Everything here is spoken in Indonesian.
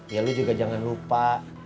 ya lu juga jangan lupa